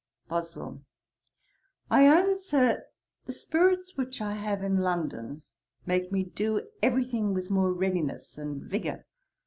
BOSWELL. 'I own, Sir, the spirits which I have in London make me do every thing with more readiness and vigour.